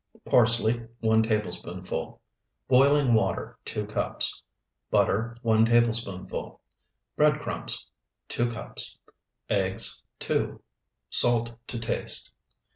Parsley, 1 tablespoonful. Boiling water, 2 cups. Butter, 1 tablespoonful. Bread crumbs, 2 cups. Eggs, 2. Salt to taste.